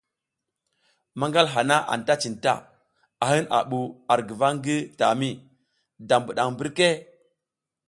Manal haha anta cinta, a hin a bu ar guva ngi tami, da bidang mbirke?